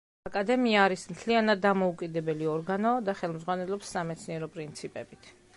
აკადემია არის მთლიანად დამოუკიდებელი ორგანო და ხელმძღვანელობს სამეცნიერო პრინციპებით.